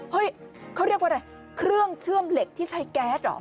เฮ้ยเขาเรียกว่าอะไรเครื่องเชื่อมเหล็กที่ใช้แก๊สเหรอ